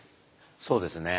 そうですね。